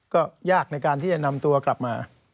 ก็ยากในการที่จะนำตัวกลับมา